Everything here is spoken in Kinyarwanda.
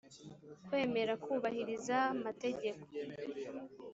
kwemera kubahiriza mategeko